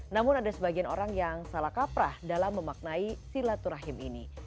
namun ada sebagian orang yang salah kaprah dalam memaknai silaturahim ini